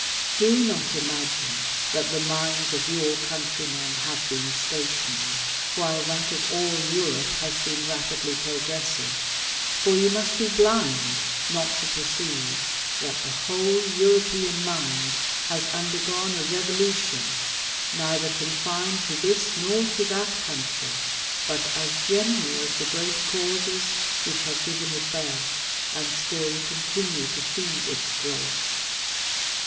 Do not imagine that the minds of your countrymen have been stationary, while that of all Europe has been rapidly progressive ; for you must be blind not to per ceive, that the whole European mind has undergone a revolution, neither confined to this nor to that country ; but as general as the great causes which have given it "kirth, and still continue to feed its growth.